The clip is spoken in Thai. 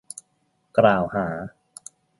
กล่าวหา